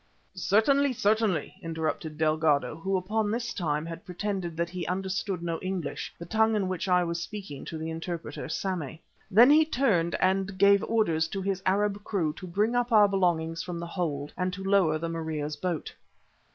"Certainly, certainly," interrupted Delgado, who up to this time had pretended that he understood no English, the tongue in which I was speaking to the interpreter, Sammy. Then he turned and gave orders to his Arab crew to bring up our belongings from the hold and to lower the Maria's boat.